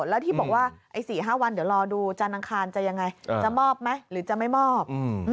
แล้วที่บอกว่า๔๕วันเดี๋ยวรอดูจานอังคารจะยังไงจะมอบไหมหรือจะไม่มอบ